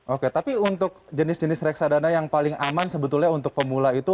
oke tapi untuk jenis jenis reksadana yang paling aman sebetulnya untuk pemula itu